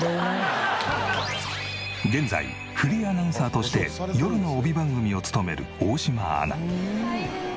現在フリーアナウンサーとして夜の帯番組を務める大島アナ。